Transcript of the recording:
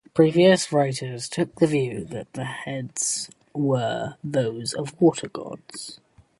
Previous writers took the view that the heads were those of water-gods.